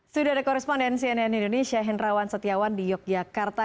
sudah ada koresponden cnn indonesia henrawan setiawan di yogyakarta